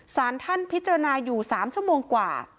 สารท่านพิจารณาอยู่๓ชั่วโมงกว่า